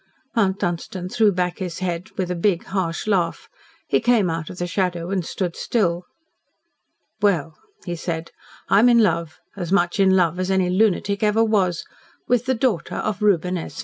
Mount Dunstan threw back his head with a big, harsh laugh. He came out of the shadow and stood still. "Well," he said, "I am in love as much in love as any lunatic ever was with the daughter of Reuben S.